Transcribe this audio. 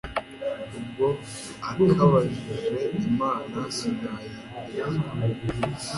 Ubwo akabirije imana sinayihezwa